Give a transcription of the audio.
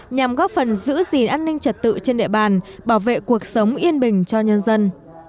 nhằm góp phần giữ gìn an ninh trật tự trên địa bàn bảo vệ cuộc sống yên bình cho nhân dân